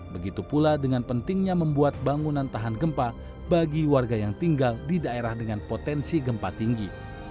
begitu pula dengan pentingnya membuat bangunan tahan gempa bagi warga yang tinggal di daerah dengan potensi gempa tinggi